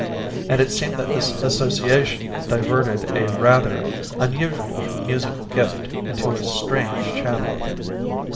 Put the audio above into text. And it seemed that this association diverted a rather unusual musical gift into a strange channel.